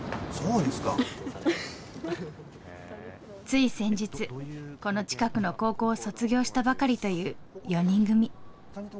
つい先日この近くの高校を卒業したばかりという４人組。